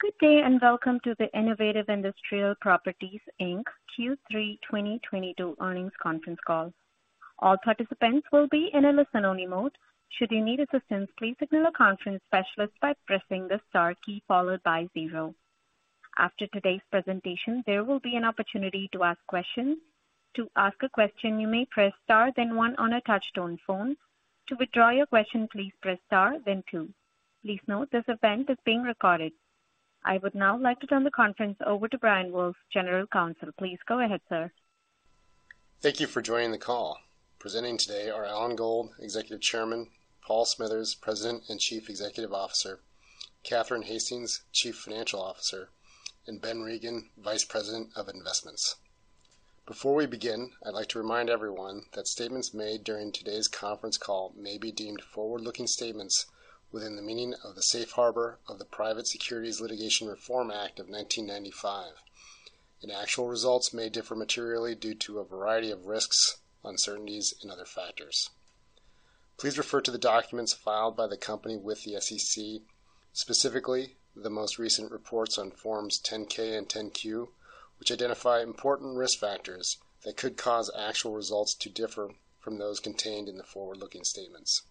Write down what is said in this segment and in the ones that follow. Good day, and welcome to the Innovative Industrial Properties Inc. Q3 2022 Earnings Conference Call. All participants will be in a listen-only mode. Should you need assistance, please signal a conference specialist by pressing the star key followed by zero. After today's presentation, there will be an opportunity to ask questions. To ask a question, you may press star then one on a touch-tone phone. To withdraw your question, please press star then two. Please note this event is being recorded. I would now like to turn the conference over to Brian Wolfe, General Counsel. Please go ahead, sir. Thank you for joining the call. Presenting today are Alan Gold, Executive Chairman, Paul Smithers, President and Chief Executive Officer, Catherine Hastings, Chief Financial Officer, and Ben Regin, Vice President of Investments. Before we begin, I'd like to remind everyone that statements made during today's conference call may be deemed forward-looking statements within the meaning of the safe harbor of the Private Securities Litigation Reform Act of 1995, and actual results may differ materially due to a variety of risks, uncertainties and other factors. Please refer to the documents filed by the company with the SEC, specifically the most recent reports on Forms 10-K and 10-Q, which identify important risk factors that could cause actual results to differ from those contained in the forward-looking statements.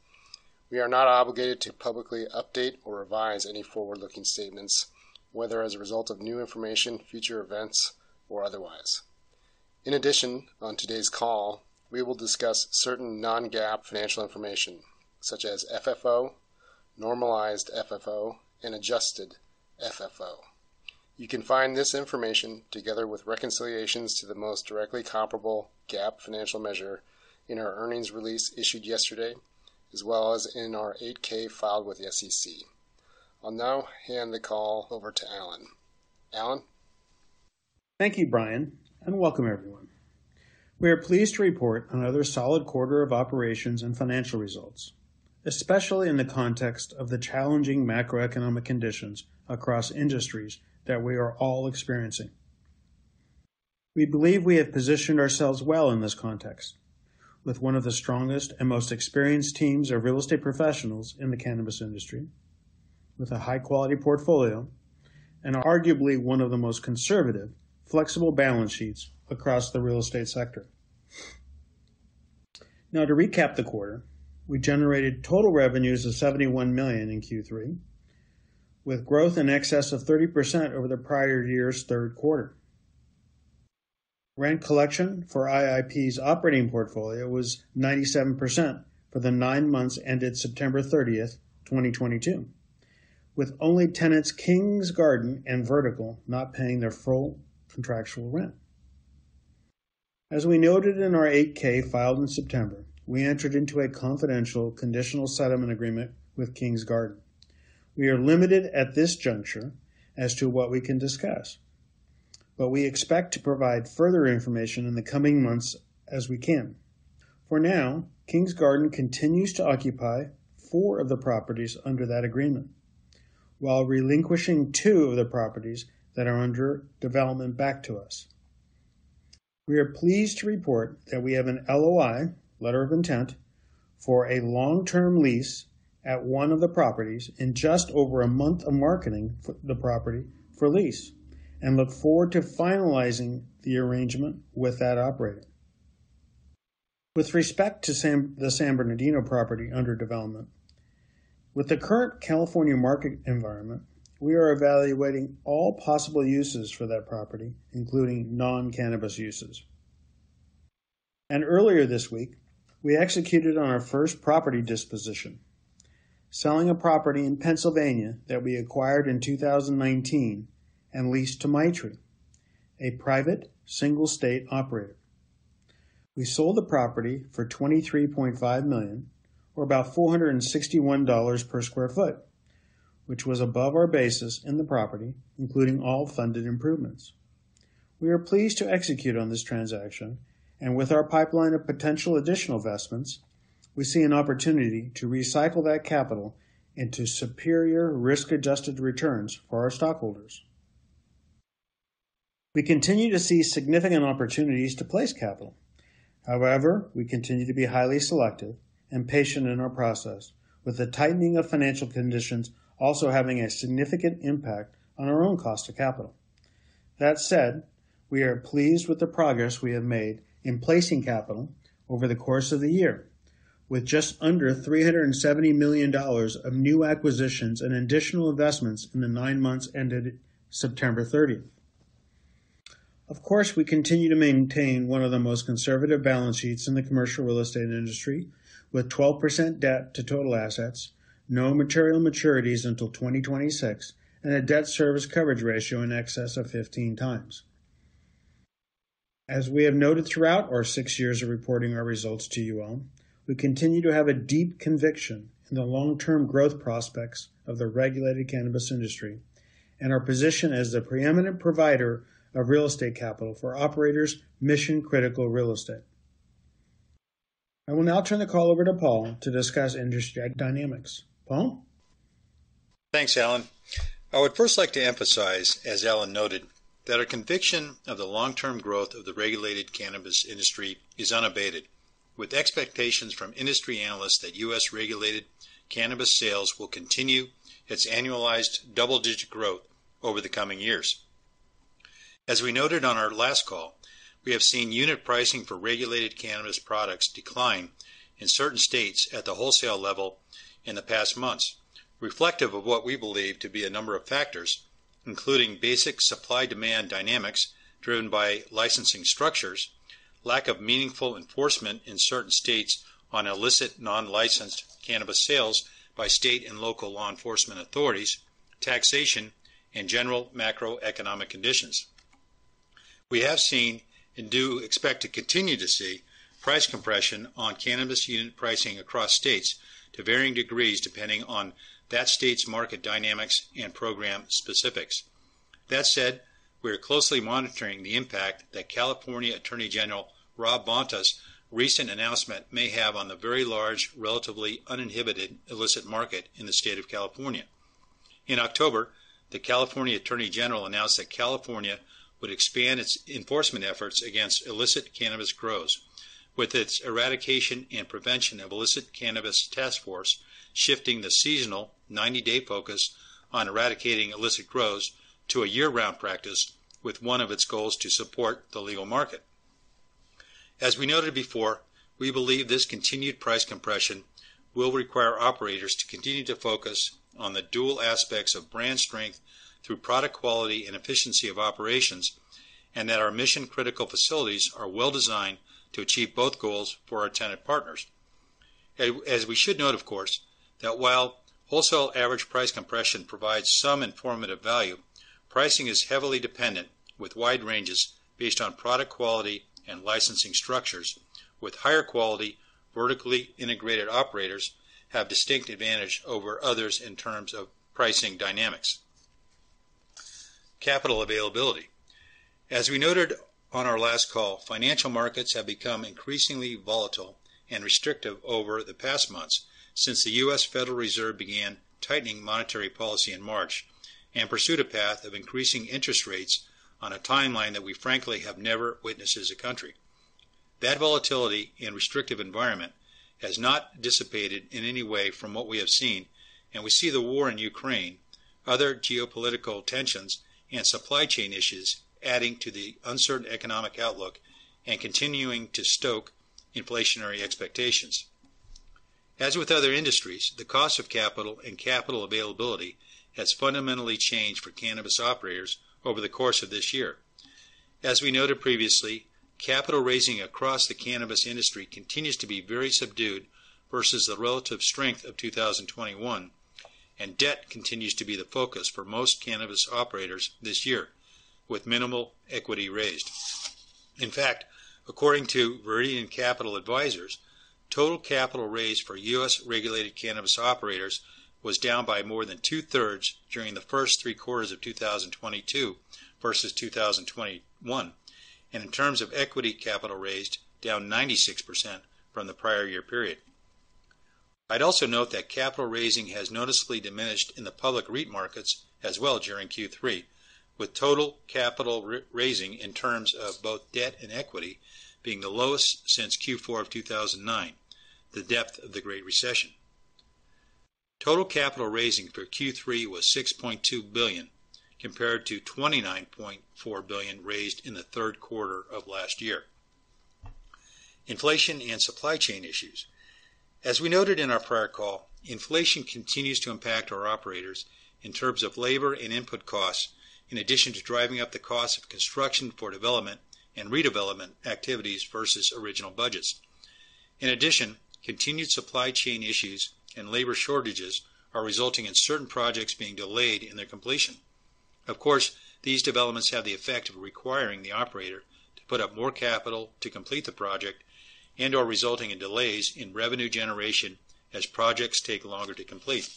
We are not obligated to publicly update or revise any forward-looking statements, whether as a result of new information, future events or otherwise. In addition, on today's call, we will discuss certain non-GAAP financial information such as FFO, normalized FFO, and adjusted FFO. You can find this information together with reconciliations to the most directly comparable GAAP financial measure in our earnings release issued yesterday, as well as in our 8-K filed with the SEC. I'll now hand the call over to Alan. Alan. Thank you, Brian, and welcome everyone. We are pleased to report another solid quarter of operations and financial results, especially in the context of the challenging macroeconomic conditions across industries that we are all experiencing. We believe we have positioned ourselves well in this context with one of the strongest and most experienced teams of real estate professionals in the cannabis industry, with a high-quality portfolio and arguably one of the most conservative, flexible balance sheets across the real estate sector. Now to recap the quarter, we generated total revenues of $71 million in Q3, with growth in excess of 30% over the prior year's third quarter. Rent collection for IIP's operating portfolio was 97% for the nine months ended September 30th, 2022, with only tenants Kings Garden and Vertical not paying their full contractual rent. As we noted in our 8-K filed in September, we entered into a confidential conditional settlement agreement with Kings Garden. We are limited at this juncture as to what we can discuss, but we expect to provide further information in the coming months as we can. For now, Kings Garden continues to occupy four of the properties under that agreement, while relinquishing two of the properties that are under development back to us. We are pleased to report that we have an LOI, letter of intent, for a long-term lease at one of the properties in just over a month of marketing the property for lease and look forward to finalizing the arrangement with that operator. With respect to the San Bernardino property under development, with the current California market environment, we are evaluating all possible uses for that property, including non-cannabis uses. Earlier this week, we executed on our first property disposition, selling a property in Pennsylvania that we acquired in 2019 and leased to Maitri, a private single state operator. We sold the property for $23.5 million or about $461 per sq ft, which was above our basis in the property, including all funded improvements. We are pleased to execute on this transaction, and with our pipeline of potential additional investments, we see an opportunity to recycle that capital into superior risk-adjusted returns for our stockholders. We continue to see significant opportunities to place capital. However, we continue to be highly selective and patient in our process, with the tightening of financial conditions also having a significant impact on our own cost of capital. That said, we are pleased with the progress we have made in placing capital over the course of the year with just under $370 million of new acquisitions and additional investments in the nine months ended September 30. Of course, we continue to maintain one of the most conservative balance sheets in the commercial real estate industry with 12% debt to total assets, no material maturities until 2026, and a debt service coverage ratio in excess of 15 times. As we have noted throughout our six years of reporting our results to you all, we continue to have a deep conviction in the long-term growth prospects of the regulated cannabis industry and our position as the preeminent provider of real estate capital for operators' mission-critical real estate. I will now turn the call over to Paul to discuss industry dynamics. Paul. Thanks, Alan. I would first like to emphasize, as Alan noted, that our conviction of the long-term growth of the regulated cannabis industry is unabated. With expectations from industry analysts that U.S. regulated cannabis sales will continue its annualized double-digit growth over the coming years. As we noted on our last call, we have seen unit pricing for regulated cannabis products decline in certain states at the wholesale level in the past months, reflective of what we believe to be a number of factors, including basic supply-demand dynamics driven by licensing structures, lack of meaningful enforcement in certain states on illicit non-licensed cannabis sales by state and local law enforcement authorities, taxation, and general macroeconomic conditions. We have seen and do expect to continue to see price compression on cannabis unit pricing across states to varying degrees depending on that state's market dynamics and program specifics. That said, we are closely monitoring the impact that California Attorney General Rob Bonta's recent announcement may have on the very large, relatively uninhibited illicit market in the state of California. In October, the California Attorney General announced that California would expand its enforcement efforts against illicit cannabis grows, with its eradication and prevention of illicit cannabis task force shifting the seasonal 90-day focus on eradicating illicit grows to a year-round practice with one of its goals to support the legal market. As we noted before, we believe this continued price compression will require operators to continue to focus on the dual aspects of brand strength through product quality and efficiency of operations, and that our mission-critical facilities are well-designed to achieve both goals for our tenant partners. As we should note, of course, that while wholesale average price compression provides some informative value, pricing is heavily dependent, with wide ranges based on product quality and licensing structures, with higher quality, vertically integrated operators have distinct advantage over others in terms of pricing dynamics. Capital availability. As we noted on our last call, financial markets have become increasingly volatile and restrictive over the past months since the U.S. Federal Reserve began tightening monetary policy in March and pursued a path of increasing interest rates on a timeline that we frankly have never witnessed as a country. That volatility and restrictive environment has not dissipated in any way from what we have seen, and we see the war in Ukraine, other geopolitical tensions, and supply chain issues adding to the uncertain economic outlook and continuing to stoke inflationary expectations. As with other industries, the cost of capital and capital availability has fundamentally changed for cannabis operators over the course of this year. As we noted previously, capital raising across the cannabis industry continues to be very subdued versus the relative strength of 2021, and debt continues to be the focus for most cannabis operators this year, with minimal equity raised. In fact, according to Viridian Capital Advisors, total capital raised for U.S. regulated cannabis operators was down by more than 2/3 during the first three quarters of 2022 versus 2021, and in terms of equity capital raised, down 96% from the prior year period. I'd also note that capital raising has noticeably diminished in the public REIT markets as well during Q3, with total capital raising in terms of both debt and equity being the lowest since Q4 of 2009, the depth of the Great Recession. Total capital raising for Q3 was $6.2 billion, compared to $29.4 billion raised in the third quarter of last year. Inflation and supply chain issues. As we noted in our prior call, inflation continues to impact our operators in terms of labor and input costs, in addition to driving up the cost of construction for development and redevelopment activities versus original budgets. In addition, continued supply chain issues and labor shortages are resulting in certain projects being delayed in their completion. Of course, these developments have the effect of requiring the operator to put up more capital to complete the project and/or resulting in delays in revenue generation as projects take longer to complete.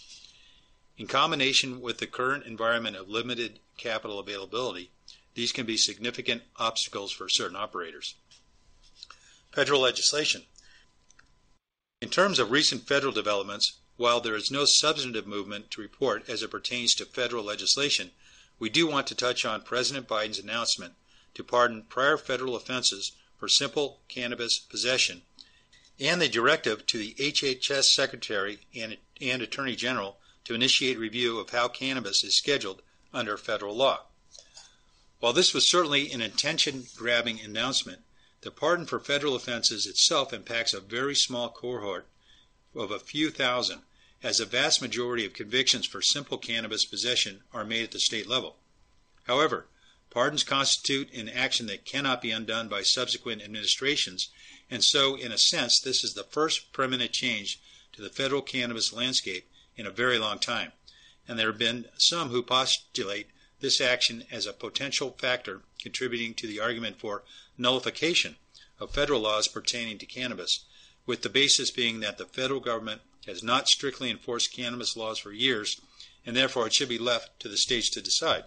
In combination with the current environment of limited capital availability, these can be significant obstacles for certain operators. Federal legislation. In terms of recent federal developments, while there is no substantive movement to report as it pertains to federal legislation, we do want to touch on President Biden's announcement to pardon prior federal offenses for simple cannabis possession and the directive to the HHS Secretary and Attorney General to initiate review of how cannabis is scheduled under federal law. While this was certainly an attention-grabbing announcement, the pardon for federal offenses itself impacts a very small cohort of a few thousand, as the vast majority of convictions for simple cannabis possession are made at the state level. However, pardons constitute an action that cannot be undone by subsequent administrations, and so in a sense, this is the first permanent change to the federal cannabis landscape in a very long time, and there have been some who postulate this action as a potential factor contributing to the argument for nullification of federal laws pertaining to cannabis, with the basis being that the federal government has not strictly enforced cannabis laws for years, and therefore it should be left to the states to decide.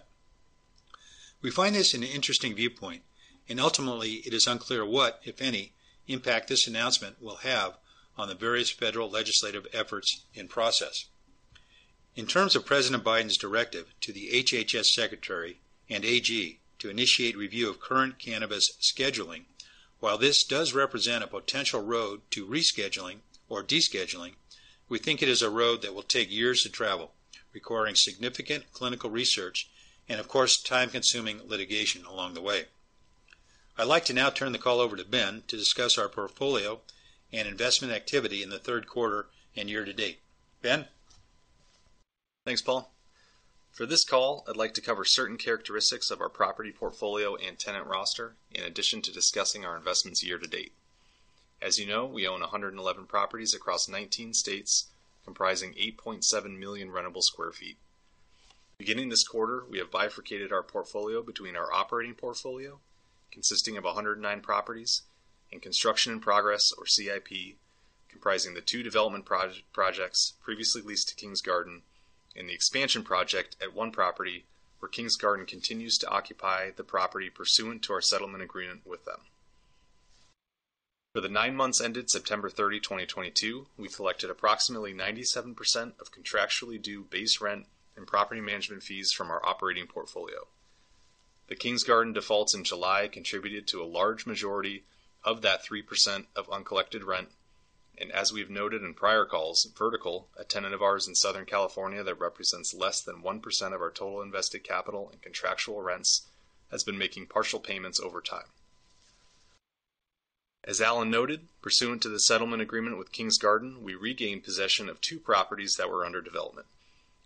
We find this an interesting viewpoint, and ultimately it is unclear what, if any, impact this announcement will have on the various federal legislative efforts in process. In terms of President Biden's directive to the HHS Secretary and AG to initiate review of current cannabis scheduling, while this does represent a potential road to rescheduling or descheduling, we think it is a road that will take years to travel, requiring significant clinical research and of course, time-consuming litigation along the way. I'd like to now turn the call over to Ben to discuss our portfolio and investment activity in the third quarter and year-to-date. Ben? Thanks, Paul. For this call, I'd like to cover certain characteristics of our property portfolio and tenant roster, in addition to discussing our investments year-to-date. As you know, we own 111 properties across 19 states, comprising 8.7 million rentable sq ft. Beginning this quarter, we have bifurcated our portfolio between our operating portfolio, consisting of 109 properties, and construction in progress or CIP, comprising the two development projects previously leased to Kings Garden, and the expansion project at one property where Kings Garden continues to occupy the property pursuant to our settlement agreement with them. For the nine months ended September 30, 2022, we collected approximately 97% of contractually due base rent and property management fees from our operating portfolio. The Kings Garden defaults in July contributed to a large majority of that 3% of uncollected rent, and as we've noted in prior calls, Vertical, a tenant of ours in Southern California that represents less than 1% of our total invested capital and contractual rents, has been making partial payments over time. As Alan noted, pursuant to the settlement agreement with Kings Garden, we regained possession of two properties that were under development.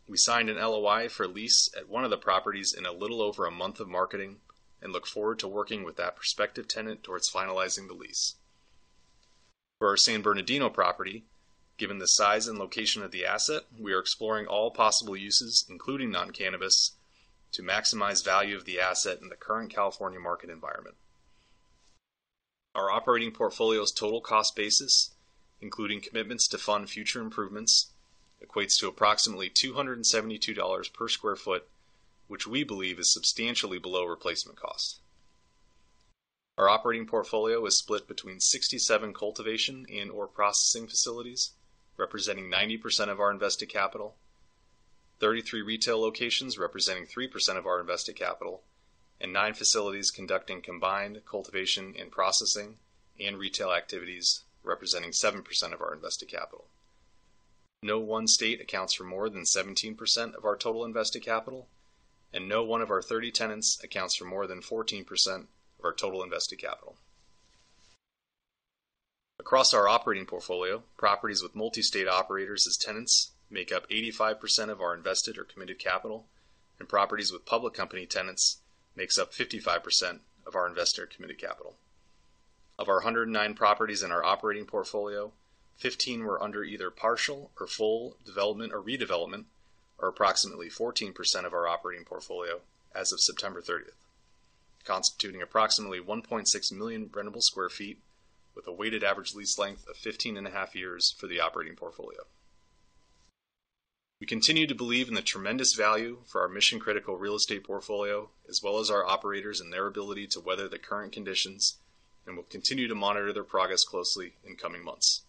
We signed an LOI for lease at one of the properties in a little over a month of marketing and look forward to working with that prospective tenant towards finalizing the lease. For our San Bernardino property, given the size and location of the asset, we are exploring all possible uses, including non-cannabis, to maximize value of the asset in the current California market environment. Our operating portfolio's total cost basis, including commitments to fund future improvements, equates to approximately $272 per sq ft, which we believe is substantially below replacement cost. Our operating portfolio is split between 67 cultivation and/or processing facilities, representing 90% of our invested capital, 33 retail locations representing 3% of our invested capital, and nine facilities conducting combined cultivation and processing and retail activities representing 7% of our invested capital. No one state accounts for more than 17% of our total invested capital, and no one of our 30 tenants accounts for more than 14% of our total invested capital. Across our operating portfolio, properties with multi-state operators as tenants make up 85% of our invested or committed capital, and properties with public company tenants makes up 55% of our invested or committed capital. Of our 109 properties in our operating portfolio, 15 were under either partial or full development or redevelopment, or approximately 14% of our operating portfolio as of September 30th, constituting approximately 1.6 million rentable sq ft with a weighted average lease length of 15.5 years for the operating portfolio. We continue to believe in the tremendous value for our mission-critical real estate portfolio, as well as our operators and their ability to weather the current conditions, and we'll continue to monitor their progress closely in coming months.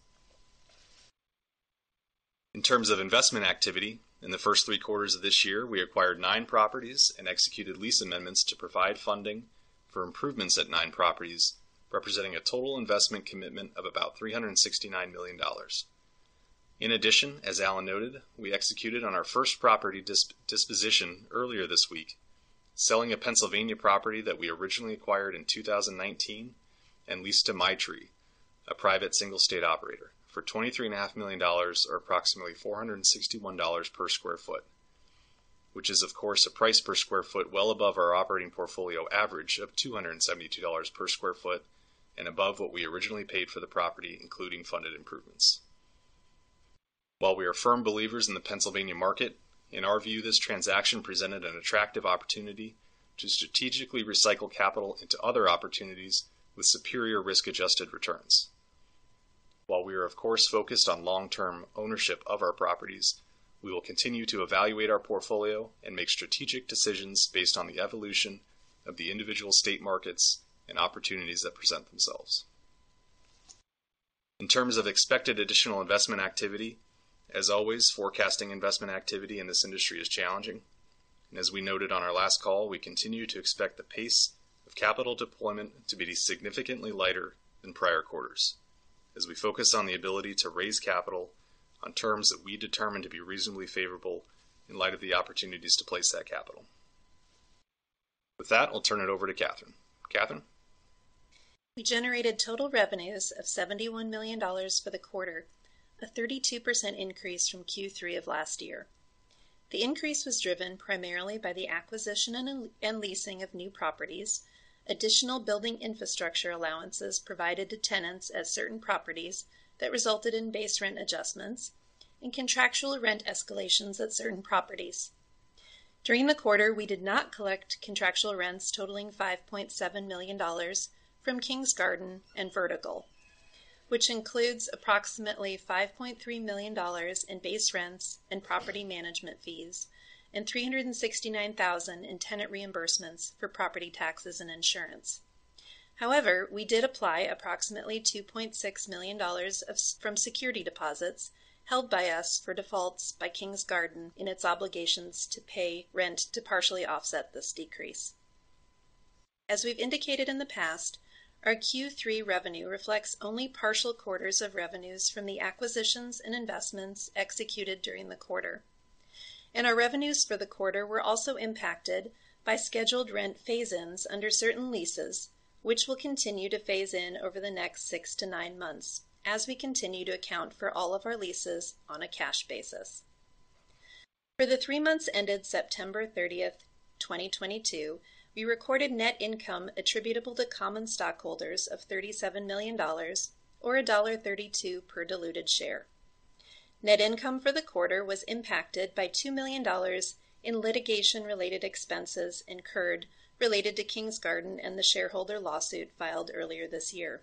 In terms of investment activity, in the first three quarters of this year, we acquired nine properties and executed lease amendments to provide funding for improvements at nine properties, representing a total investment commitment of about $369 million. In addition, as Alan noted, we executed on our first property disposition earlier this week, selling a Pennsylvania property that we originally acquired in 2019 and leased to Maitri, a private single state operator, for $23.5 million, or approximately $461 per sq ft, which is of course a price per sq ft well above our operating portfolio average of $272 per sq ft and above what we originally paid for the property, including funded improvements. While we are firm believers in the Pennsylvania market, in our view, this transaction presented an attractive opportunity to strategically recycle capital into other opportunities with superior risk-adjusted returns. While we are of course focused on long-term ownership of our properties, we will continue to evaluate our portfolio and make strategic decisions based on the evolution of the individual state markets and opportunities that present themselves. In terms of expected additional investment activity, as always, forecasting investment activity in this industry is challenging. As we noted on our last call, we continue to expect the pace of capital deployment to be significantly lighter than prior quarters as we focus on the ability to raise capital on terms that we determine to be reasonably favorable in light of the opportunities to place that capital. With that, I'll turn it over to Catherine. Catherine? We generated total revenues of $71 million for the quarter, a 32% increase from Q3 of last year. The increase was driven primarily by the acquisition and leasing of new properties, additional building infrastructure allowances provided to tenants at certain properties that resulted in base rent adjustments, and contractual rent escalations at certain properties. During the quarter, we did not collect contractual rents totaling $5.7 million from Kings Garden and Vertical, which includes approximately $5.3 million in base rents and property management fees and $369,000 in tenant reimbursements for property taxes and insurance. However, we did apply approximately $2.6 million from security deposits held by us for defaults by Kings Garden in its obligations to pay rent to partially offset this decrease. As we've indicated in the past, our Q3 revenue reflects only partial quarters of revenues from the acquisitions and investments executed during the quarter. Our revenues for the quarter were also impacted by scheduled rent phase-ins under certain leases, which will continue to phase in over the next six to nine months as we continue to account for all of our leases on a cash basis. For the three months ended September 30th, 2022, we recorded net income attributable to common stockholders of $37 million, or $1.32 per diluted share. Net income for the quarter was impacted by $2 million in litigation-related expenses incurred related to Kings Garden and the shareholder lawsuit filed earlier this year.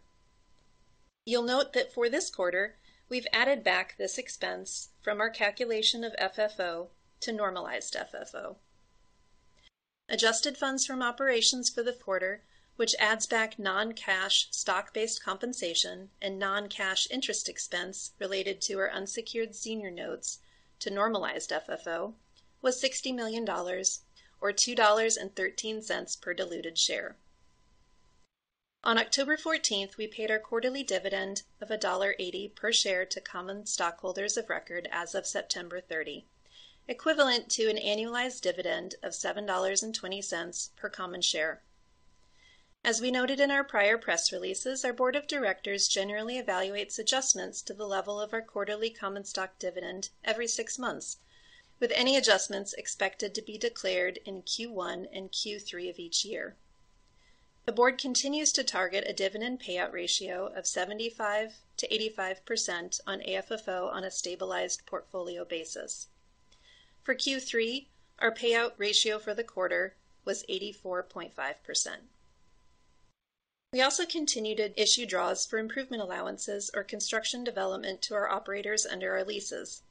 You'll note that for this quarter, we've added back this expense from our calculation of FFO to Normalized FFO. Adjusted Funds from Operations for the quarter, which adds back non-cash stock-based compensation and non-cash interest expense related to our unsecured senior notes to Normalized FFO, was $60 million, or $2.13 per diluted share. On October 14, we paid our quarterly dividend of $1.80 per share to common stockholders of record as of September 30, equivalent to an annualized dividend of $7.20 per common share. As we noted in our prior press releases, our board of directors generally evaluates adjustments to the level of our quarterly common stock dividend every six months, with any adjustments expected to be declared in Q1 and Q3 of each year. The board continues to target a dividend payout ratio of 75%-85% on AFFO on a stabilized portfolio basis. For Q3, our payout ratio for the quarter was 84.5%. We also continued to issue draws for improvement allowances or construction development to our operators under our leases.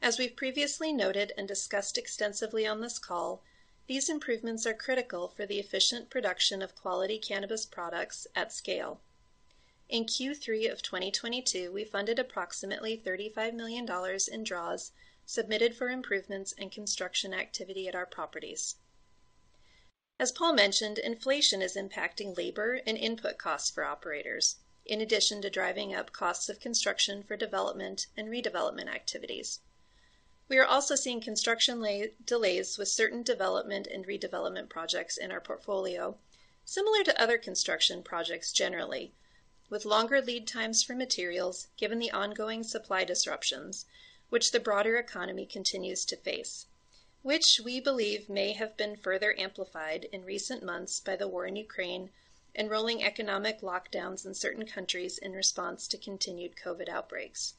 As we've previously noted and discussed extensively on this call, these improvements are critical for the efficient production of quality cannabis products at scale. In Q3 of 2022, we funded approximately $35 million in draws submitted for improvements and construction activity at our properties. As Paul mentioned, inflation is impacting labor and input costs for operators, in addition to driving up costs of construction for development and redevelopment activities. We are also seeing construction delays with certain development and redevelopment projects in our portfolio, similar to other construction projects generally, with longer lead times for materials, given the ongoing supply disruptions which the broader economy continues to face, which we believe may have been further amplified in recent months by the war in Ukraine, and rolling economic lockdowns in certain countries in response to continued COVID outbreaks.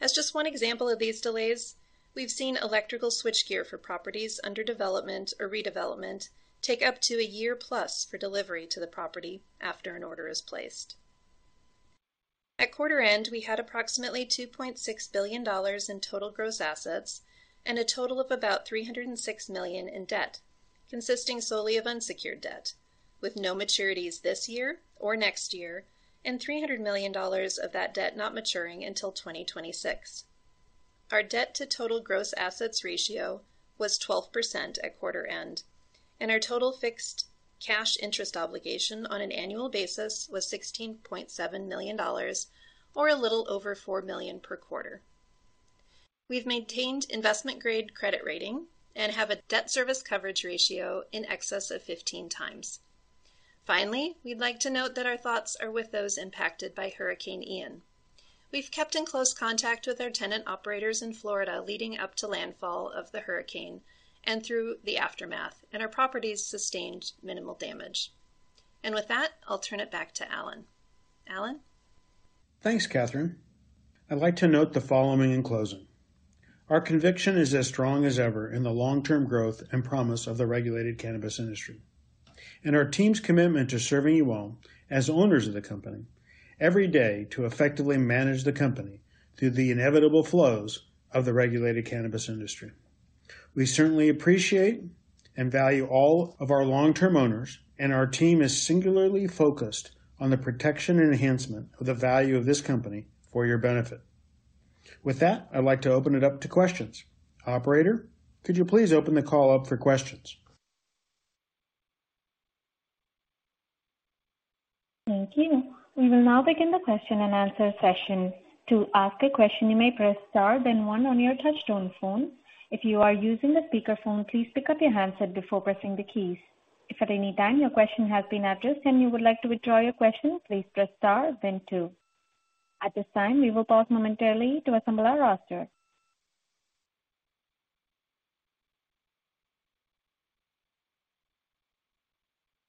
As just one example of these delays, we've seen electrical switchgear for properties under development or redevelopment take up to a year plus for delivery to the property after an order is placed. At quarter end, we had approximately $2.6 billion in total gross assets and a total of about $306 million in debt, consisting solely of unsecured debt, with no maturities this year or next year, and $300 million of that debt not maturing until 2026. Our debt to total gross assets ratio was 12% at quarter end, and our total fixed cash interest obligation on an annual basis was $16.7 million or a little over $4 million per quarter. We've maintained investment grade credit rating and have a debt service coverage ratio in excess of 15 times. Finally, we'd like to note that our thoughts are with those impacted by Hurricane Ian. We've kept in close contact with our tenant operators in Florida leading up to landfall of the hurricane and through the aftermath, and our properties sustained minimal damage. With that, I'll turn it back to Alan. Alan? Thanks, Catherine. I'd like to note the following in closing. Our conviction is as strong as ever in the long-term growth and promise of the regulated cannabis industry, and our team's commitment to serving you all as owners of the company every day to effectively manage the company through the inevitable flows of the regulated cannabis industry. We certainly appreciate and value all of our long-term owners, and our team is singularly focused on the protection and enhancement of the value of this company for your benefit. With that, I'd like to open it up to questions. Operator, could you please open the call up for questions? Thank you. We will now begin the question-and-answer session. To ask a question, you may press star, then one on your touch tone phone. If you are using the speaker phone, please pick up your handset before pressing the keys. If at any time your question has been addressed and you would like to withdraw your question, please press star then two. At this time, we will pause momentarily to assemble our roster.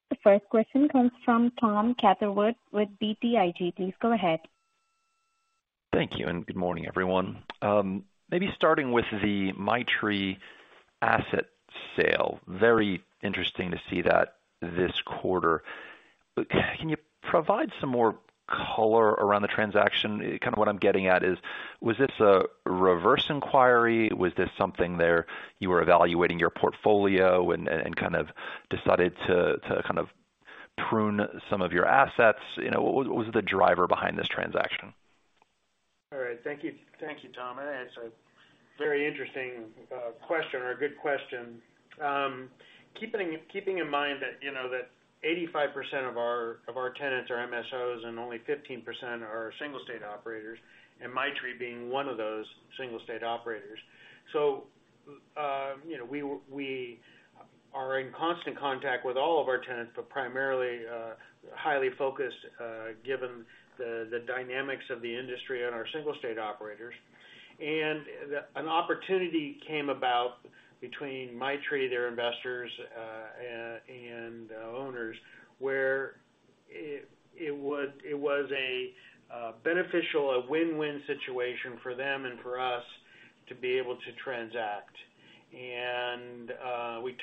The first question comes from Thomas Catherwood with BTIG. Please go ahead. Thank you, and good morning, everyone. Maybe starting with the Maitri asset sale, very interesting to see that this quarter. Can you provide some more color around the transaction? Kinda what I'm getting at is, was this a reverse inquiry? Was this something that you were evaluating your portfolio and kind of decided to kind of prune some of your assets? You know, what was the driver behind this transaction? All right. Thank you. Thank you, Tom. That's a very interesting question or a good question. Keeping in mind that you know that 85% of our tenants are MSOs and only 15% are single state operators, and Maitri being one of those single state operators. We are in constant contact with all of our tenants, but primarily highly focused given the dynamics of the industry and our single state operators. An opportunity came about between Maitri, their investors, and owners, where it was a beneficial win-win situation for them and for us to be able to transact. We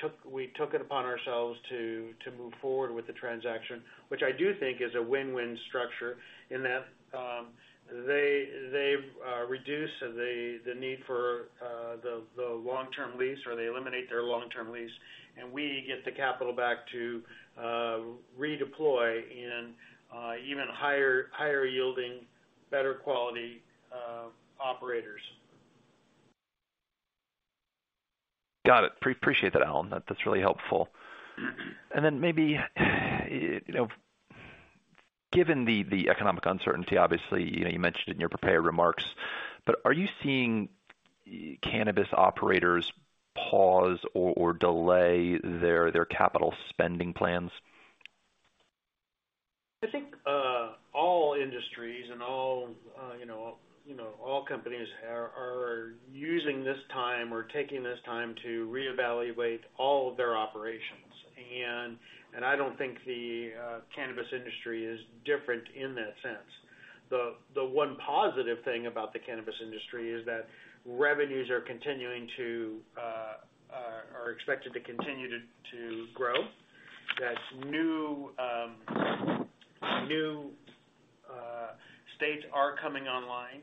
took it upon ourselves to move forward with the transaction, which I do think is a win-win structure in that they've reduced the need for the long-term lease or they eliminate their long-term lease and we get the capital back to redeploy in even higher yielding, better quality operators. Got it. Appreciate that, Alan. That's really helpful. Then maybe, you know, given the economic uncertainty, obviously, you know, you mentioned in your prepared remarks, but are you seeing cannabis operators pause or delay their capital spending plans? I think all industries and all, you know, all companies are using this time or taking this time to reevaluate all of their operations. I don't think the cannabis industry is different in that sense. The one positive thing about the cannabis industry is that revenues are expected to continue to grow. New states are coming online.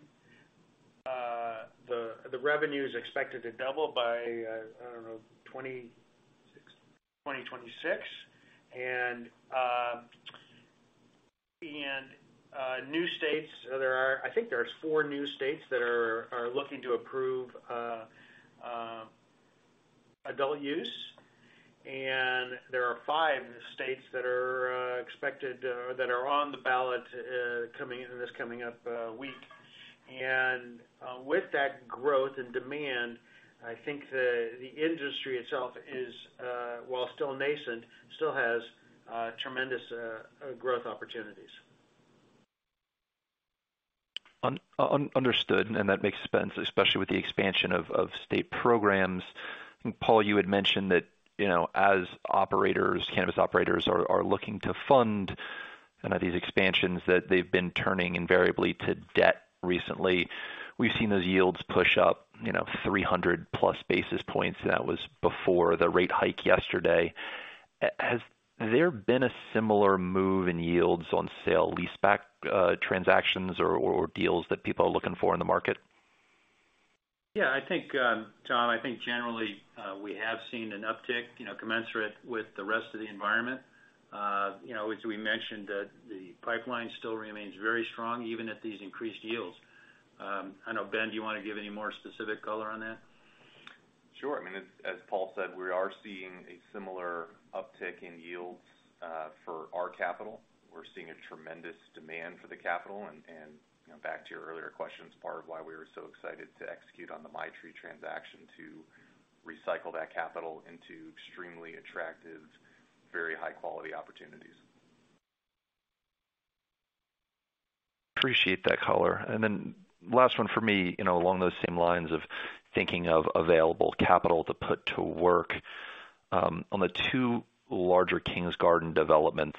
The revenue is expected to double by, I don't know, 2026. I think there's four new states that are looking to approve adult use. There are five states that are expected or that are on the ballot coming up this week. With that growth and demand, I think the industry itself is, while still nascent, still has tremendous growth opportunities. Understood, that makes sense, especially with the expansion of state programs. Paul, you had mentioned that, you know, as operators, cannabis operators are looking to fund these expansions, that they've been turning invariably to debt recently. We've seen those yields push up, you know, 300+ basis points. That was before the rate hike yesterday. Has there been a similar move in yields on sale-leaseback transactions or deals that people are looking for in the market? Yeah, I think, Tom, I think generally, we have seen an uptick, you know, commensurate with the rest of the environment. You know, as we mentioned, the pipeline still remains very strong, even at these increased yields. I know, Ben, do you want to give any more specific color on that? Sure. I mean, as Paul said, we are seeing a similar uptick in yields for our capital. We're seeing a tremendous demand for the capital and, you know, back to your earlier questions, part of why we were so excited to execute on the Maitri transaction, to recycle that capital into extremely attractive, very high-quality opportunities. Appreciate that color. Then last one for me, you know, along those same lines of thinking of available capital to put to work, on the two larger Kings Garden developments,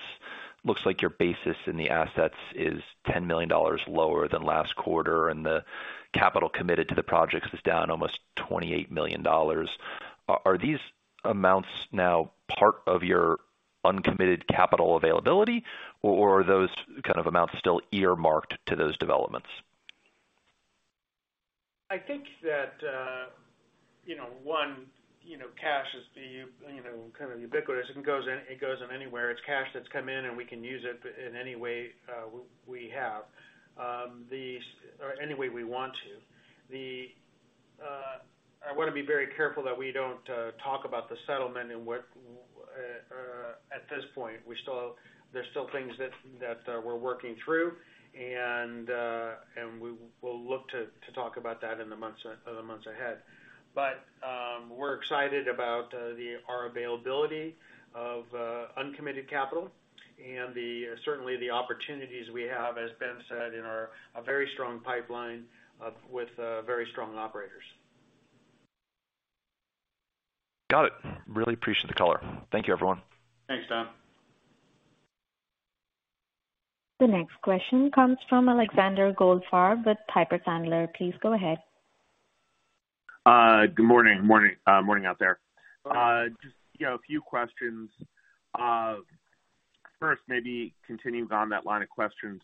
looks like your basis in the assets is $10 million lower than last quarter, and the capital committed to the projects is down almost $28 million. Are these amounts now part of your uncommitted capital availability, or are those kind of amounts still earmarked to those developments? I think that, you know, cash is the, you know, kind of ubiquitous. It goes in anywhere. It's cash that's come in and we can use it in any way we want to. I wanna be very careful that we don't talk about the settlement and what at this point. There's still things that we're working through and we'll look to talk about that in the months ahead. We're excited about our availability of uncommitted capital and certainly the opportunities we have, as Ben said, in a very strong pipeline with very strong operators. Got it. Really appreciate the color. Thank you, everyone. Thanks, Tom. The next question comes from Alexander Goldfarb with Piper Sandler. Please go ahead. Good morning. Morning out there. Hello. Just, you know, a few questions. First, maybe continuing on that line of questions.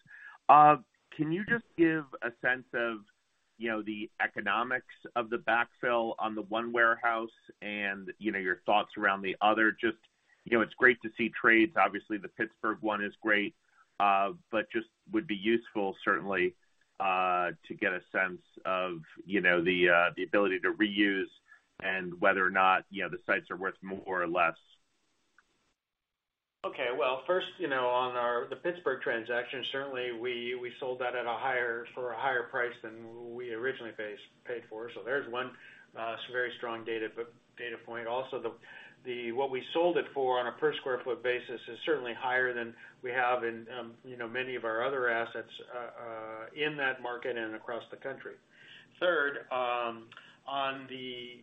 Can you just give a sense of- You know, the economics of the backfill on the one warehouse and, you know, your thoughts around the other just, you know, it's great to see trades. Obviously, the Pittsburgh one is great, but just would be useful certainly, to get a sense of, you know, the ability to reuse and whether or not, you know, the sites are worth more or less. Okay. Well, first, you know, on the Pittsburgh transaction, certainly we sold that for a higher price than we originally paid for. There's one very strong data point. Also, what we sold it for on a per square foot basis is certainly higher than we have in, you know, many of our other assets in that market and across the country. Third, on the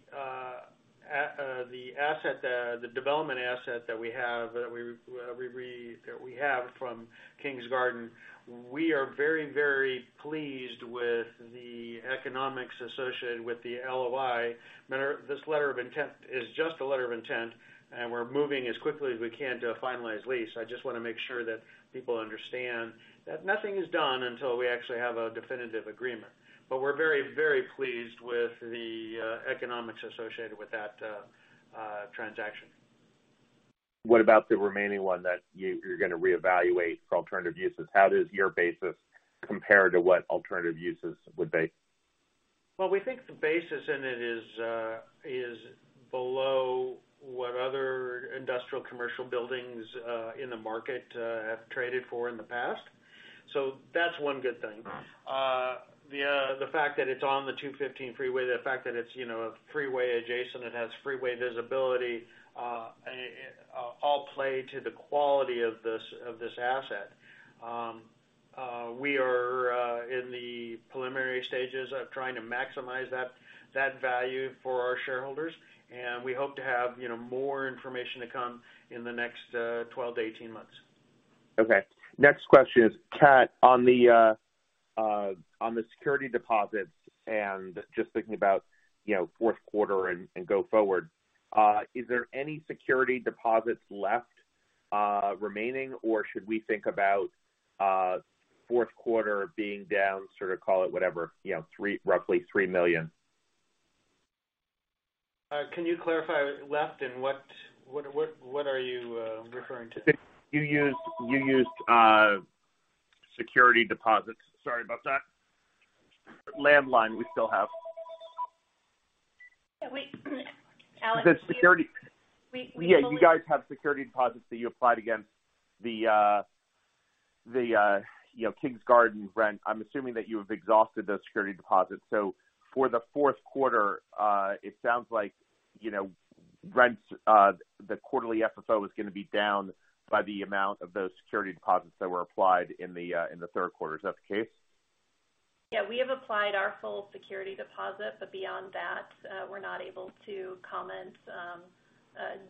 development asset that we have from Kings Garden, we are very, very pleased with the economics associated with the LOI. This letter of intent is just a letter of intent, and we're moving as quickly as we can to a finalized lease. I just wanna make sure that people understand that nothing is done until we actually have a definitive agreement. We're very, very pleased with the economics associated with that transaction. What about the remaining one that you're gonna reevaluate for alternative uses? How does your basis compare to what alternative uses would be? Well, we think the basis in it is below what other industrial commercial buildings in the market have traded for in the past. That's one good thing. The fact that it's on the 215 freeway, the fact that it's, you know, freeway adjacent, it has freeway visibility, all play to the quality of this asset. We are in the preliminary stages of trying to maximize that value for our shareholders, and we hope to have, you know, more information to come in the next 12 months-18 months. Okay. Next question is, Catherine, on the security deposits and just thinking about, you know, fourth quarter and go forward, is there any security deposits left, remaining, or should we think about, fourth quarter being down, sort of call it whatever, you know, roughly $3 million? Can you clarify left and what are you referring to? You used security deposits. Sorry about that. Landline we still have. Alex, we The security- We Yeah. You guys have security deposits that you applied against the Kings Garden rent. I'm assuming that you have exhausted those security deposits. For the fourth quarter, it sounds like rents, the quarterly FFO is gonna be down by the amount of those security deposits that were applied in the third quarter. Is that the case? Yeah. We have applied our full security deposit, but beyond that, we're not able to comment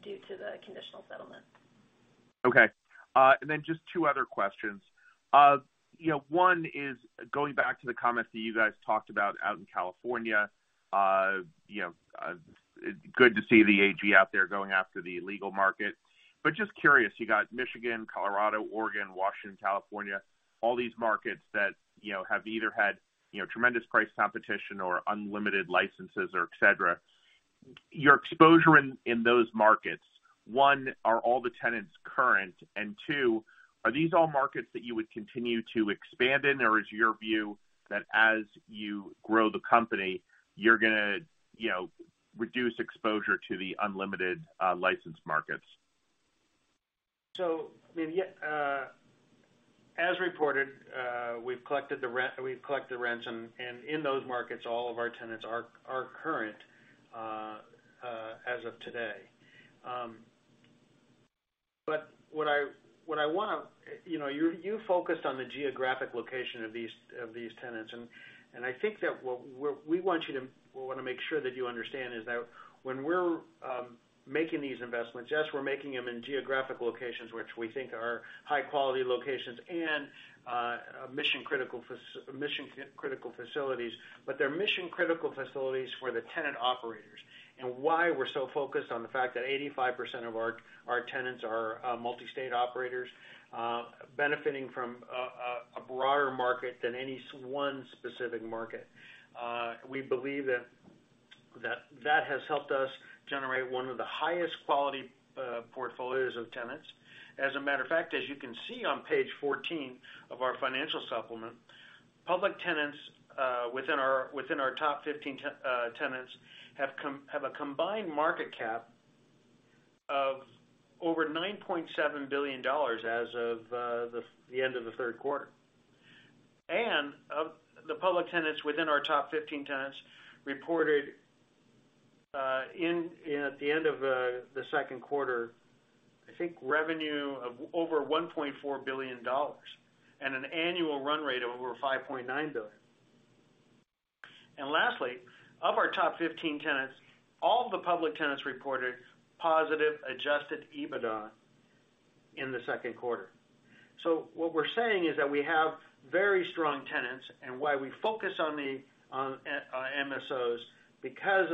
due to the conditional settlement. Okay. Just two other questions. You know, one is going back to the comments that you guys talked about out in California, you know, good to see the AG out there going after the illegal market. Just curious, you got Michigan, Colorado, Oregon, Washington, California, all these markets that, you know, have either had, you know, tremendous price competition or unlimited licenses or et cetera. Your exposure in those markets, one, are all the tenants current? And two, are these all markets that you would continue to expand in, or is your view that as you grow the company, you're gonna, you know, reduce exposure to the unlimited license markets? I mean, yeah, as reported, we've collected the rents and in those markets, all of our tenants are current as of today. What I wanna, you know. You focused on the geographic location of these tenants. I think that we want you to make sure that you understand is that when we're making these investments, yes, we're making them in geographic locations which we think are high-quality locations and mission-critical facilities, but they're mission-critical facilities for the tenant operators. Why we're so focused on the fact that 85% of our tenants are multi-state operators benefiting from a broader market than any one specific market. We believe that has helped us generate one of the highest quality portfolios of tenants. As a matter of fact, as you can see on page 14 of our financial supplement, public tenants within our top 15 tenants have a combined market cap of over $9.7 billion as of the end of the third quarter. Of the public tenants within our top 15 tenants reported at the end of the second quarter, I think, revenue of over $1.4 billion and an annual run rate of over $5.9 billion. Lastly, of our top 15 tenants, all the public tenants reported positive adjusted EBITDA in the second quarter. What we're saying is that we have very strong tenants and why we focus on the MSOs because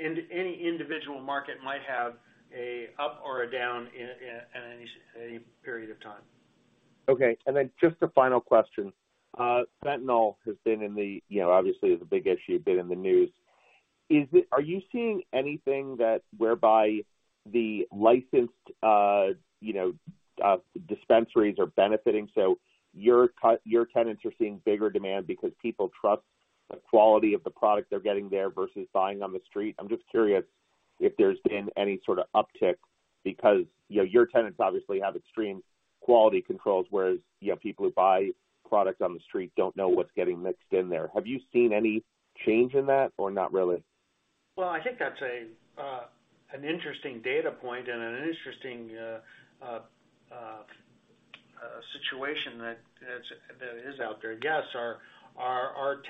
any individual market might have an up or a down in any period of time. Okay. Just a final question. Fentanyl has been in the, you know, obviously the big issue, been in the news. Are you seeing anything that whereby the licensed dispensaries are benefiting? Your tenants are seeing bigger demand because people trust the quality of the product they're getting there versus buying on the street. I'm just curious if there's been any sorta uptick because, you know, your tenants obviously have extreme quality controls, whereas, you know, people who buy products on the street don't know what's getting mixed in there. Have you seen any change in that or not really? Well, I think that's an interesting data point and an interesting situation that is out there. Yes, our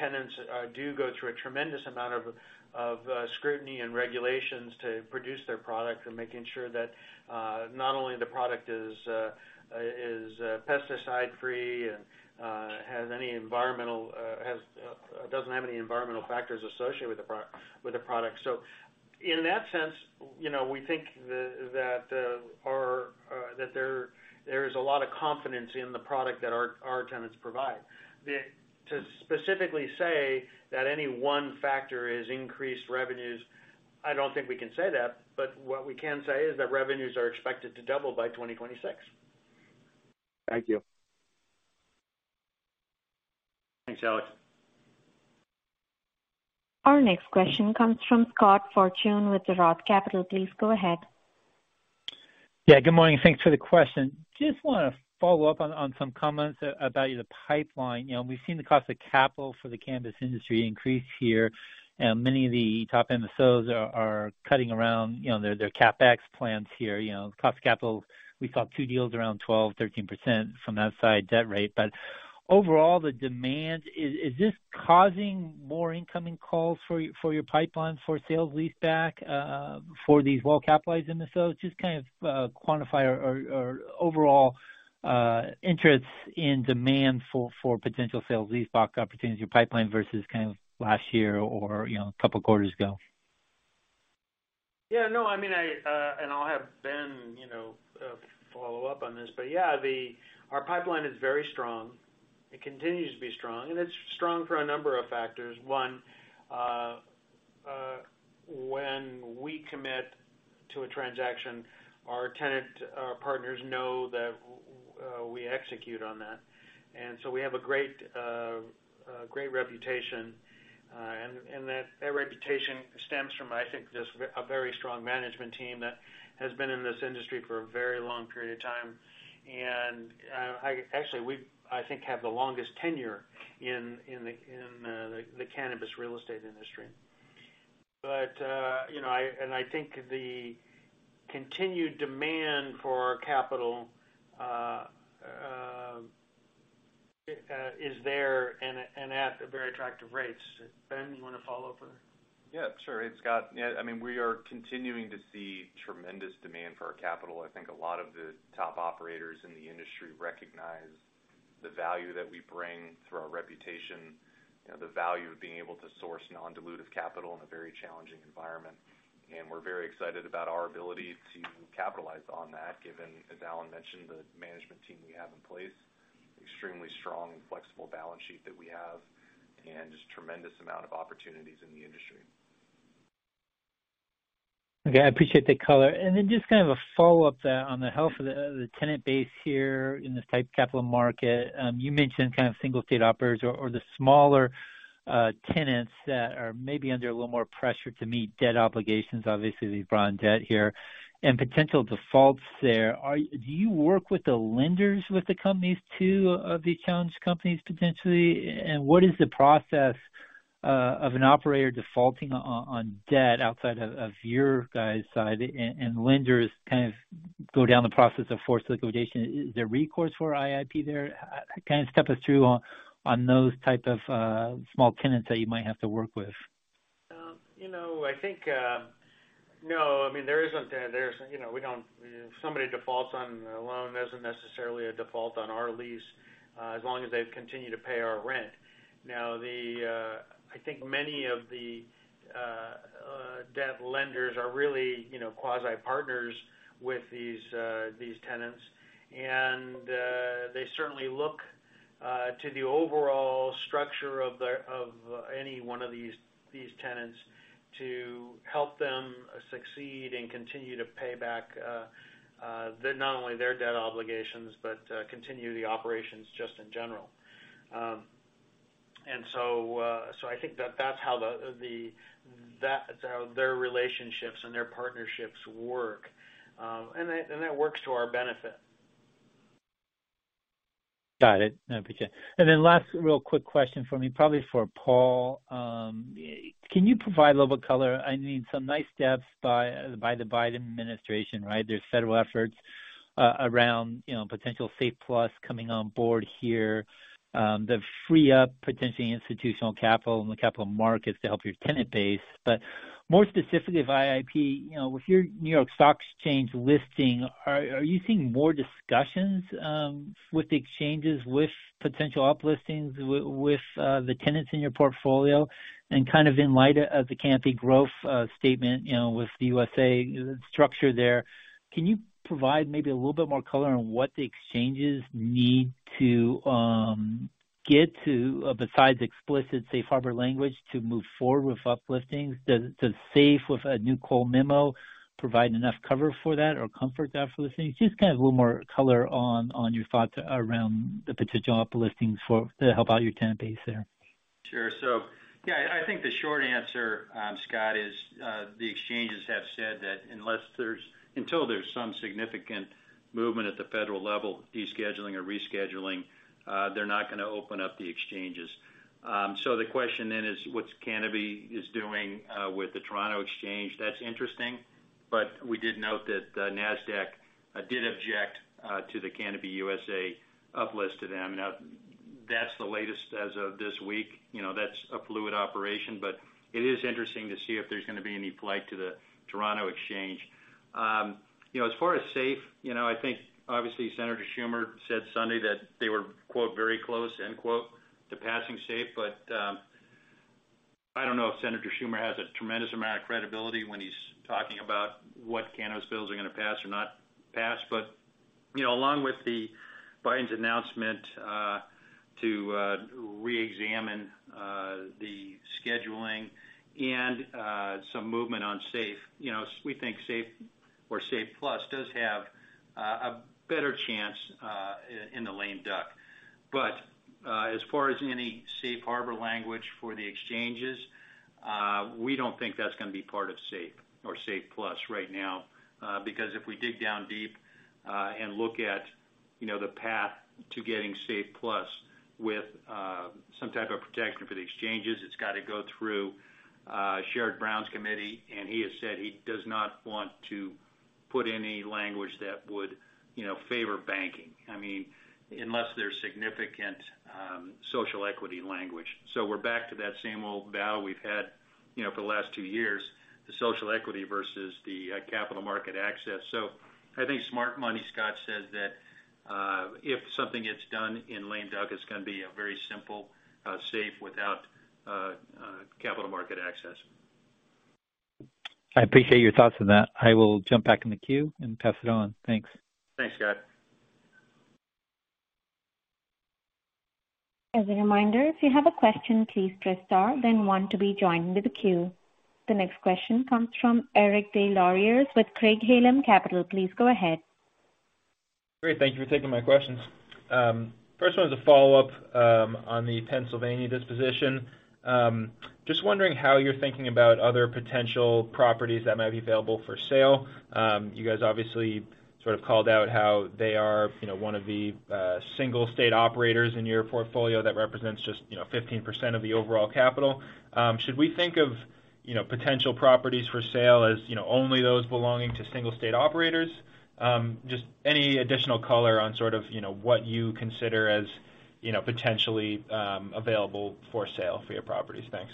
tenants do go through a tremendous amount of scrutiny and regulations to produce their product. We're making sure that not only the product is pesticide-free and doesn't have any environmental factors associated with the product. In that sense, you know, we think that there is a lot of confidence in the product that our tenants provide. To specifically say that any one factor has increased revenues, I don't think we can say that, but what we can say is that revenues are expected to double by 2026. Thank you. Thanks, Alex. Our next question comes from Scott Fortune with Roth Capital Partners. Please go ahead. Good morning. Thanks for the question. Just wanna follow up on some comments about the pipeline. You know, we've seen the cost of capital for the cannabis industry increase here, and many of the top MSOs are cutting around, you know, their CapEx plans here. You know, cost of capital, we saw two deals around 12%, 13% from that side, debt rate. But overall, the demand, is this causing more incoming calls for your pipeline for sale leaseback for these well-capitalized MSOs? Just to kind of quantify or overall interest in demand for potential sale leaseback opportunity pipeline versus kind of last year or, you know, a couple of quarters ago. Yeah, no, I mean, and I'll have Ben, you know, follow up on this. Yeah, our pipeline is very strong. It continues to be strong, and it's strong for a number of factors. One, when we commit to a transaction, our tenant, our partners know that we execute on that. We have a great reputation, and that reputation stems from, I think, just a very strong management team that has been in this industry for a very long period of time. I actually, we have the longest tenure in the cannabis real estate industry. You know, I think the continued demand for our capital is there and at very attractive rates. Ben, you wanna follow up with that? Yeah, sure. Hey, Scott. Yeah. I mean, we are continuing to see tremendous demand for our capital. I think a lot of the top operators in the industry recognize the value that we bring through our reputation, you know, the value of being able to source non-dilutive capital in a very challenging environment. We're very excited about our ability to capitalize on that, given, as Alan mentioned, the management team we have in place, extremely strong, flexible balance sheet that we have, and just tremendous amount of opportunities in the industry. Okay. I appreciate the color. Then just kind of a follow-up to on the health of the tenant base here in this tight capital market. You mentioned kind of single-state operators or the smaller tenants that are maybe under a little more pressure to meet debt obligations, obviously the bond debt here, and potential defaults there. Do you work with the lenders with the companies too, of the challenged companies potentially? What is the process of an operator defaulting on debt outside of your guys' side and lenders kind of go down the process of forced liquidation? Is there recourse for IIP there? Kind of step us through on those type of small tenants that you might have to work with. You know, no. I mean, if somebody defaults on a loan, there isn't necessarily a default on our lease, as long as they continue to pay our rent. Now, I think many of the debt lenders are really, you know, quasi partners with these tenants. They certainly look to the overall structure of their, of any one of these tenants to help them succeed and continue to pay back not only their debt obligations but continue the operations just in general. I think that's how their relationships and their partnerships work. That works to our benefit. Got it. No, appreciate it. Then last real quick question for me, probably for Paul. Can you provide a little color? I mean, some nice steps by the Biden administration, right? There's federal efforts around, you know, potential SAFE+ coming on board here, to free up potentially institutional capital and the capital markets to help your tenant base. But more specifically for IIP, you know, with your New York Stock Exchange listing, are you seeing more discussions with the exchanges, with potential uplistings with the tenants in your portfolio and kind of in light of the Canopy Growth statement, you know, with the Canopy USA structure there. Can you provide maybe a little bit more color on what the exchanges need to do to, besides explicit safe harbor language to move forward with uplisting? Does SAFE with a new Cole Memo provide enough cover for that or comfort that for listing? Just kind of a little more color on your thoughts around the potential uplisting to help out your tenant base there. Sure. Yeah, I think the short answer, Scott, is the exchanges have said that until there's some significant movement at the federal level, descheduling or rescheduling, they're not gonna open up the exchanges. The question then is what Canopy is doing with the Toronto exchange. That's interesting, but we did note that NASDAQ did object to the Canopy USA uplisting to them. Now, that's the latest as of this week. You know, that's a fluid operation, but it is interesting to see if there's gonna be any flight to the Toronto exchange. You know, as far as SAFE, you know, I think obviously Senator Schumer said Sunday that they were, quote, very close, end quote, to passing SAFE. I don't know if Senator Schumer has a tremendous amount of credibility when he's talking about what cannabis bills are gonna pass or not pass. You know, along with Biden's announcement to reexamine the scheduling and some movement on SAFE, you know, we think SAFE or SAFE+ does have a better chance in the lame duck. As far as any safe harbor language for the exchanges, we don't think that's gonna be part of SAFE or SAFE+ right now, because if we dig down deep and look at, you know, the path to getting SAFE+ with some type of protection for the exchanges, it's got to go through Sherrod Brown's committee, and he has said he does not want to put any language that would, you know, favor banking. I mean, unless there's significant social equity language. We're back to that same old battle we've had, you know, for the last two years, the social equity versus the capital market access. I think smart money, Scott, says that if something gets done in lame duck, it's gonna be a very simple SAFE without capital market access. I appreciate your thoughts on that. I will jump back in the queue and pass it on. Thanks. Thanks, Scott. As a reminder, if you have a question, please press star then one to be joined with the queue. The next question comes from Eric Des Lauriers with Craig-Hallum Capital Group. Please go ahead. Great. Thank you for taking my questions. First one is a follow-up on the Pennsylvania disposition. Just wondering how you're thinking about other potential properties that might be available for sale. You guys obviously sort of called out how they are, you know, one of the single state operators in your portfolio that represents just, you know, 15% of the overall capital. Should we think of, you know, potential properties for sale as, you know, only those belonging to single state operators? Just any additional color on sort of, you know, what you consider as, you know, potentially available for sale for your properties? Thanks.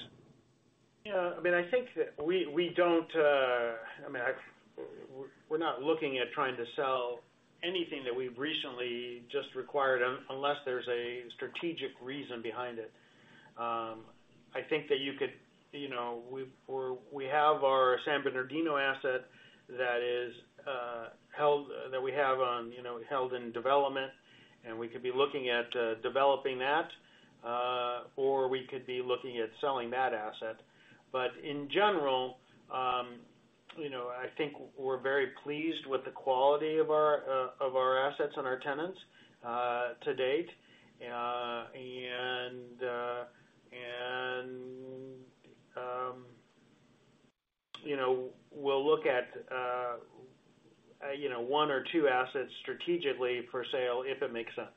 Yeah, I mean, I think that we don't. I mean, we're not looking at trying to sell anything that we've recently just acquired unless there's a strategic reason behind it. I think that you could. You know, we have our San Bernardino asset that we have held in development, and we could be looking at developing that or we could be looking at selling that asset. In general, you know, I think we're very pleased with the quality of our assets and our tenants to date. You know, we'll look at one or two assets strategically for sale if it makes sense.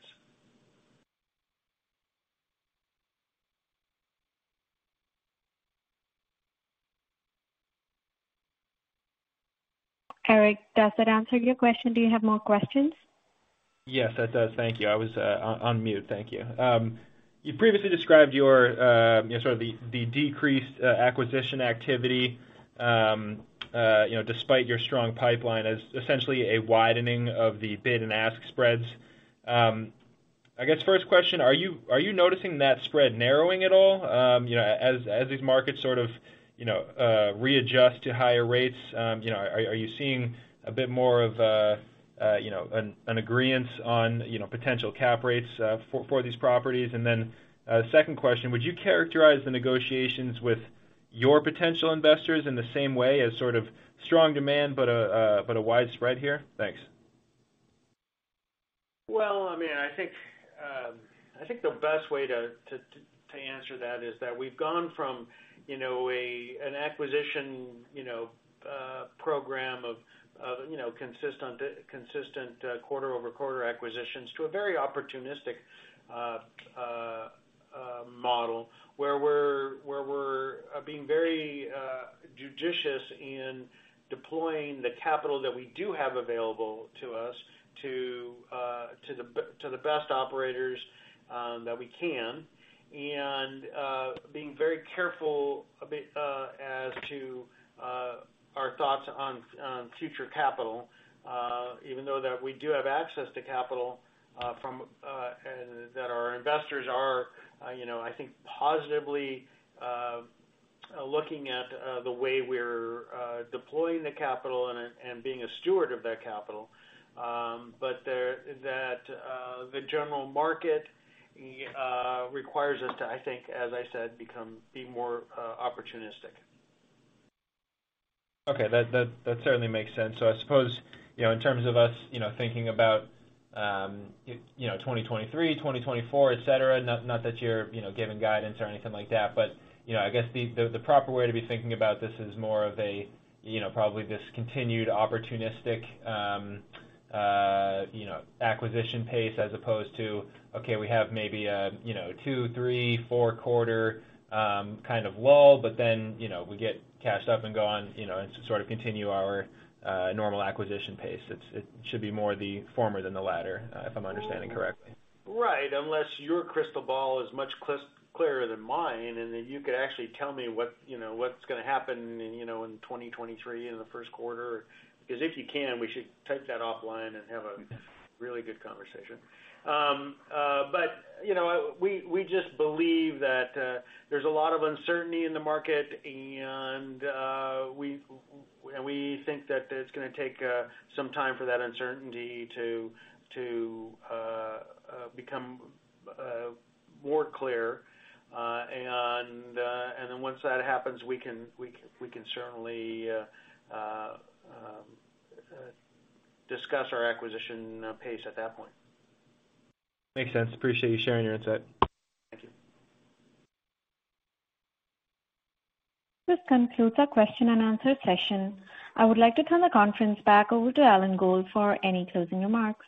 Eric, does that answer your question? Do you have more questions? Yes, it does. Thank you. I was on mute. Thank you. You previously described your, you know, sort of the decreased acquisition activity, you know, despite your strong pipeline as essentially a widening of the bid and ask spreads. I guess first question, are you noticing that spread narrowing at all? You know, as these markets sort of, you know, readjust to higher rates, you know, are you seeing a bit more of, you know, an agreeance on, you know, potential cap rates, for these properties? Then, second question, would you characterize the negotiations with your potential investors in the same way as sort of strong demand but a wide spread here? Thanks. Well, I mean, I think the best way to answer that is that we've gone from, you know, an acquisition, you know, program of, you know, consistent quarter-over-quarter acquisitions to a very opportunistic. Model where we're being very judicious in deploying the capital that we do have available to us to the best operators that we can. Being very careful as to our thoughts on future capital, even though that we do have access to capital from and that our investors are, you know, I think positively looking at the way we're deploying the capital and being a steward of that capital. That the general market requires us to, I think, as I said, be more opportunistic. Okay. That certainly makes sense. I suppose, you know, in terms of us, you know, thinking about, you know, 2023, 2024, et cetera, not that you're, you know, giving guidance or anything like that, but, you know, I guess the proper way to be thinking about this is more of a, you know, probably this continued opportunistic, you know, acquisition pace as opposed to, okay, we have maybe a, you know, two, three, four quarter kind of lull, but then, you know, we get cashed up and go on, you know, and sort of continue our, normal acquisition pace. It should be more the former than the latter, if I'm understanding correctly. Right. Unless your crystal ball is much clearer than mine, and then you could actually tell me what, you know, what's gonna happen in, you know, in 2023 in the first quarter. 'Cause if you can, we should take that offline and have a really good conversation. But, you know, we just believe that there's a lot of uncertainty in the market and we think that it's gonna take some time for that uncertainty to become more clear and then once that happens, we can certainly discuss our acquisition pace at that point. Makes sense. Appreciate you sharing your insight. Thank you. This concludes our question and answer session. I would like to turn the conference back over to Alan Gold for any closing remarks.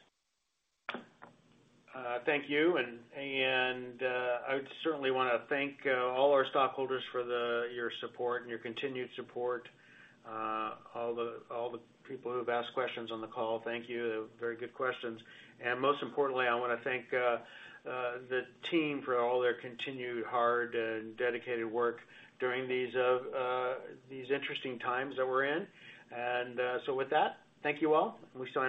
Thank you. I would certainly wanna thank all our stockholders for your support and your continued support. All the people who have asked questions on the call, thank you. Very good questions. Most importantly, I wanna thank the team for all their continued hard and dedicated work during these interesting times that we're in. With that, thank you all, and we certainly appreciate it.